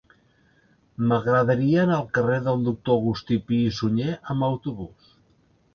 M'agradaria anar al carrer del Doctor August Pi i Sunyer amb autobús.